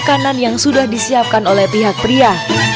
ini adalah peranan yang sudah disiapkan oleh pihak pria